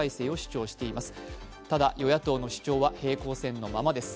ただ、与野党の主張は平行線のままです。